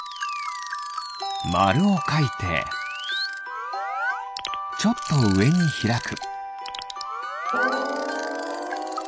まるをかいてちょっとうえにひらく。